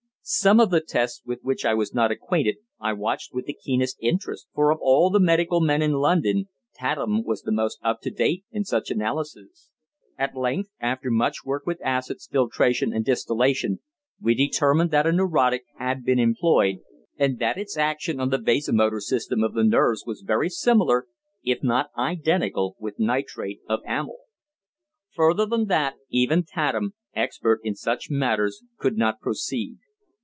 Some of the tests with which I was not acquainted I watched with the keenest interest, for, of all the medical men in London, Tatham was the most up to date in such analyses. At length, after much work with acids, filtration, and distillation, we determined that a neurotic had been employed, and that its action on the vasomotor system of the nerves was very similar, if not identical, with nitrate of amyl. Further than that, even Tatham, expert in such matters, could not proceed.